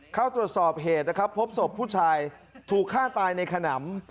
เข้าตรวจสอบเหตุนะครับพบศพผู้ชายถูกฆ่าตายในขนำ